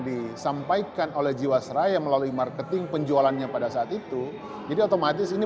disampaikan oleh jiwasraya melalui marketing penjualannya pada saat itu jadi otomatis ini